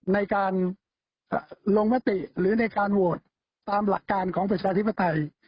ในการลงมติหรือในการโหวตตามหลักการของประชาธิปไตย